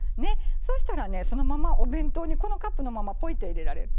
そうしたらねそのままお弁当にこのカップのままぽいって入れられる。